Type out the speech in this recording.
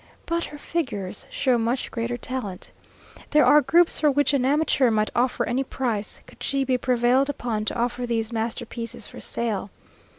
But her figures show much greater talent. There are groups for which an amateur might offer any price, could she be prevailed upon to offer these masterpieces for sale.